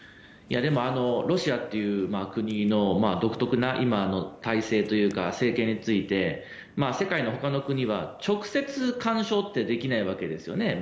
でも、ロシアっていう国の独特な体制というか政権について世界のほかの国は直接干渉ってできないわけですよね。